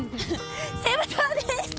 セブ島です！